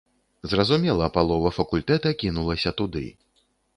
Зразумела, палова факультэта кінулася туды.